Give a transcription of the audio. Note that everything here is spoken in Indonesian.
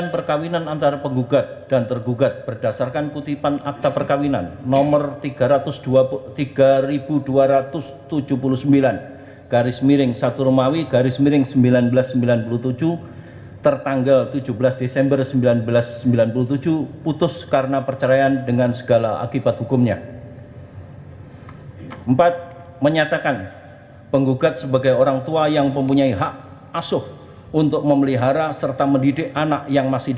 pertama penggugat akan menerjakan waktu yang cukup untuk menerjakan si anak anak tersebut yang telah menjadi ilustrasi